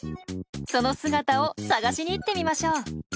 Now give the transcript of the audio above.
その姿を探しに行ってみましょう。